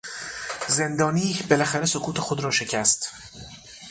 زندانی بالاخره سکوت خود را شکست.